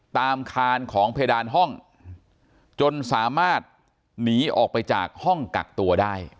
คานของเพดานห้องจนสามารถหนีออกไปจากห้องกักตัวได้